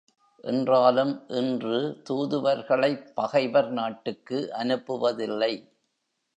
என்றாலும் இன்று தூதுவர்களைப் பகைவர் நாட்டுக்கு அனுப்புவதில்லை.